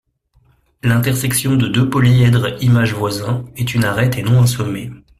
L'intersection de deux polyèdres images voisins est une arête et non un sommet.